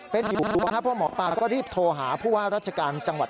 เป็นอยู่หรือว่าถ้าพ่อหมอปลาก็รีบโทรหาผู้ว่ารัฐการจังหวัด